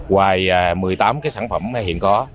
ngoài một mươi tám sản phẩm hiện có